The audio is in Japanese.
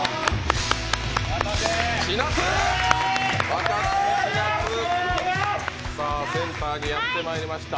若槻千夏、さあセンターにやってまいりました。